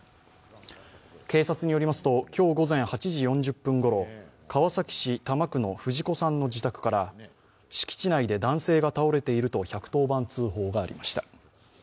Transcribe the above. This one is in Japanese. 警察によりますと今日午前８時４０分ごろ、川崎市多摩区の藤子さんの自宅から敷地内で男性が倒れていると１１０番通報がありました。